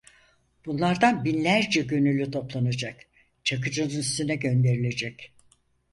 Bunlardan binlerce gönüllü toplanacak, Çakıcı’nın üstüne gönderilecek.